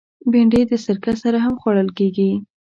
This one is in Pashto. بېنډۍ د سرکه سره هم خوړل کېږي